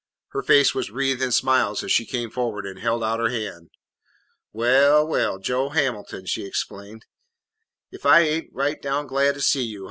Her face was wreathed in smiles as she came forward and held out her hand. "Well, well, Joe Hamilton," she exclaimed, "if I ain't right down glad to see you!